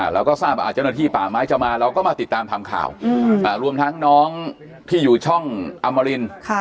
เราก็ทราบว่าเจ้าหน้าที่ป่าไม้จะมาเราก็มาติดตามทำข่าวรวมทั้งน้องที่อยู่ช่องอมริน